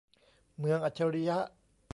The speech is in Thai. เมืองอัจฉริยะ